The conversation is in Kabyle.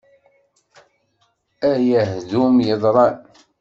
Ay ahdum yeḍran!